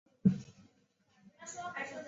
圣阿波利奈尔德里阿。